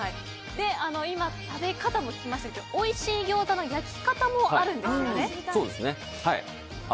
今、食べ方も聞きましたがおいしいギョーザの焼き方もあるんですよね。